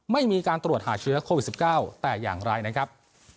ไม่มีการตรวจหาเชื้อโควิด๑๙แต่อย่างไรนะครับ